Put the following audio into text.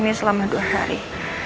gue disini selama dua hari